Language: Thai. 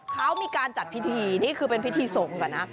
เขามีการจัดพิธีนี่คือเป็นพิธีส่งก่อนนะ